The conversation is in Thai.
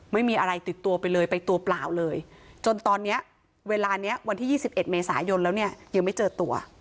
ไม่มีอะไรติดตัวไปเลยไปตัวเปล่าเลยจนตอนนี้เวลานี้วันที่๒๑เมษายนแล้วเนี่ยยังไม่เจอตัว